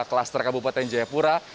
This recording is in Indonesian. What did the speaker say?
kelas terkabupaten jayapura